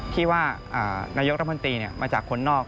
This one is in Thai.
ที่ว่านายกรัฐมนตรีมาจากคนนอก